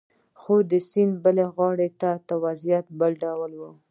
خو د سیند بلې غاړې ته وضعیت بل ډول و